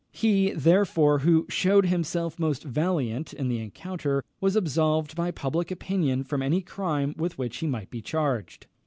He, therefore, who shewed himself most valiant in the encounter was absolved by public opinion from any crime with which he might be charged.